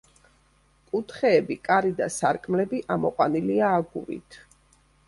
კუთხეები, კარი და სარკმლები ამოყვანილია აგურით.